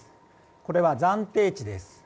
これは暫定値です。